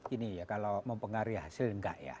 ini ya kalau mempengaruhi hasil enggak ya